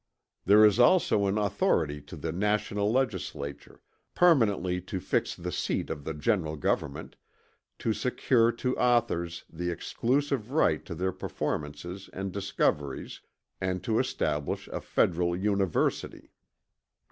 "There is also an authority to the national legislature, permanently to fix the seat of the general government, to secure to authors the exclusive right to their performances and discoveries, and to establish a Federal University.